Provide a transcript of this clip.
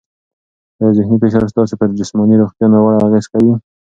آیا ذهني فشار ستاسو پر جسماني روغتیا ناوړه اغېزه کوي؟